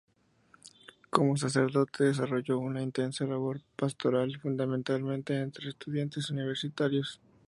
Como sacerdote, desarrolló una intensa labor pastoral, fundamentalmente entre estudiantes universitarios.